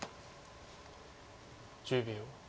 １０秒。